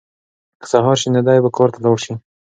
که سهار شي نو دی به کار ته لاړ شي.